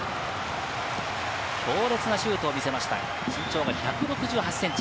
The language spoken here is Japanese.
強烈なシュートを見せました、身長１６８センチ。